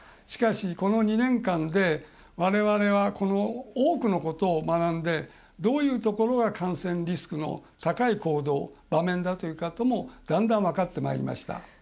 しかし、この２年間でわれわれは、この多くのことを学んで、どういうところが感染リスクの高い行動場面だというかということもだんだん分かってまいりました。